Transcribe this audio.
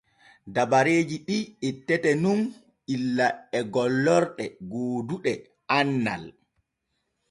Dabareeji ɗi ettete nun illa e gollorɗe gooduɗe andal.